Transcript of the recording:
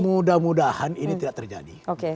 mudah mudahan ini tidak terjadi